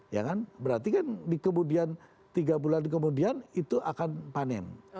ya kan berarti kan di kemudian tiga bulan kemudian itu akan panen